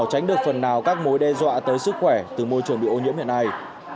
tránh được phần nào các mối đe dọa tới sức khỏe từ môi trường bị ô nhiễm hiện nay